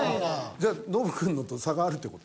じゃあノブくんのと差があるって事？